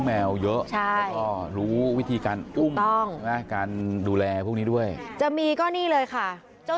นี่นี่นี่นี่นี่นี่นี่นี่นี่นี่